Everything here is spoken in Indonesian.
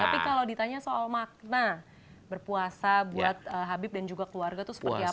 tapi kalau ditanya soal makna berpuasa buat habib dan juga keluarga itu seperti apa